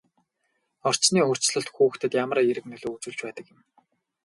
Орчны өөрчлөлт хүүхдэд ямагт эерэг нөлөө үзүүлж байдаг юм.